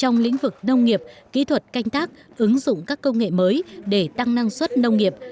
nông nghiệp kỹ thuật canh tác ứng dụng các công nghệ mới để tăng năng suất nông nghiệp